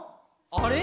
あれ？